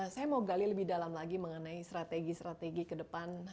saya mau gali lebih dalam lagi mengenai strategi strategi ke depan